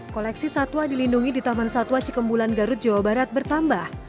koleksi satwa dilindungi di taman satwa cikembulan garut jawa barat bertambah